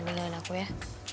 jangan pernah dengerin aku ya